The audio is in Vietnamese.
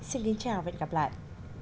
xin chào và hẹn gặp lại